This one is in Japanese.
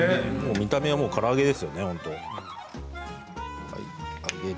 見た目はもうから揚げですよね。